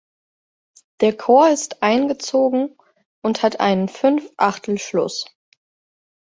Der Chor ist eingezogen und hat einen Fünfachtelschluss.